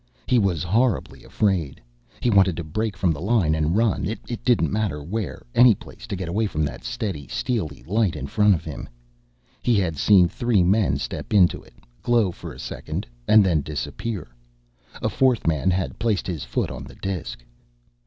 He was horribly afraid, he wanted to break from the line and run, it didn't matter where, any place to get away from that steady, steely light in front of him. He had seen three men step into it, glow for a second, and then disappear. A fourth man had placed his foot on the disk.